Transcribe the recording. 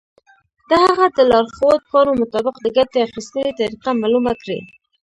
د هغه د لارښود پاڼو مطابق د ګټې اخیستنې طریقه معلومه کړئ.